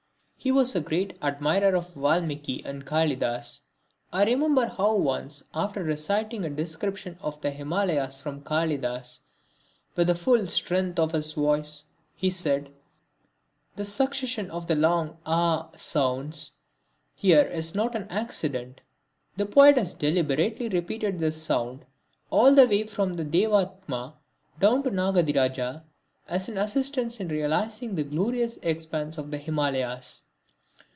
He was a great admirer of Valmiki and Kalidas. I remember how once after reciting a description of the Himalayas from Kalidas with the full strength of his voice, he said: "The succession of long [=a] sounds here is not an accident. The poet has deliberately repeated this sound all the way from Devatatma down to Nagadhiraja as an assistance in realising the glorious expanse of the Himalayas."